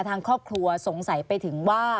ทางครอบครัวสงสัยไปถึงว่า